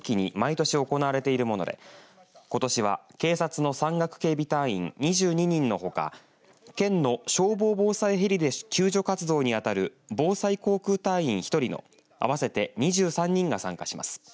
この訓練は秋山シーズンを迎えるこの時期に毎年行っているものでことしは警察の山岳警備隊員２２人のほか県の消防防災ヘリで救助活動に当たる防災航空隊員１人の合わせて２３人が参加します。